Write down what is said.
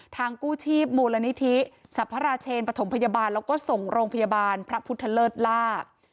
กู้ชีพมูลนิธิสรรพราเชนปฐมพยาบาลแล้วก็ส่งโรงพยาบาลพระพุทธเลิศล่า